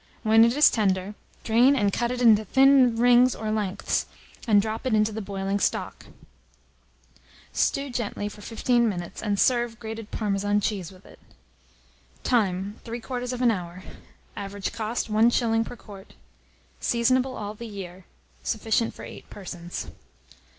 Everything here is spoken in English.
When it is tender, drain and cut it into thin rings or lengths, and drop it into the boiling stock. Stew gently for 15 minutes, and serve grated Parmesan cheese with it. Time. 3/4 hour. Average cost, 1s. per quart. Seasonable all the year. Sufficient for 8 persons.